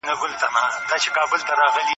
وروڼو يوسف عليه السلام څاه ته واچاوه.